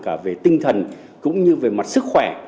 cả về tinh thần cũng như về mặt sức khỏe